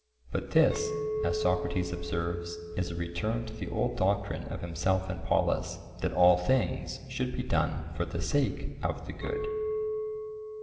But this, as Socrates observes, is a return to the old doctrine of himself and Polus, that all things should be done for the sake of the good.